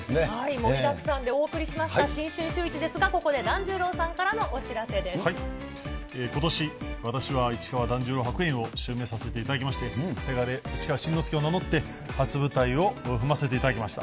盛りだくさんでお送りしました、新春シューイチですが、ここで團十郎さんからのお知らせことし、私は市川團十郎白猿を襲名させていただきまして、せがれ、市川新之助を名乗って、初舞台を踏ませていただきました。